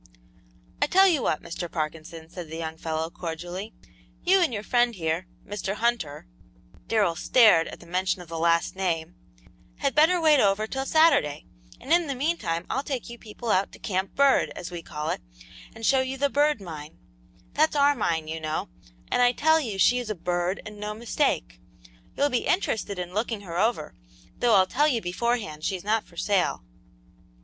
"I tell you what, Mr. Parkinson," said the young fellow, cordially, "you and your friend here, Mr. Hunter," Darrell started at the mention of the latter name, "had better wait over till Saturday, and in the mean time I'll take you people out to Camp Bird, as we call it, and show you the Bird Mine; that's our mine, you know, and I tell you she is a 'bird,' and no mistake. You'll be interested in looking her over, though I'll tell you beforehand she's not for sale."